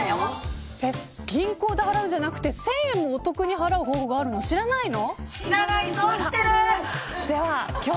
銀行で払うんじゃなくて１０００円お得に払う方法があるの、知らないの。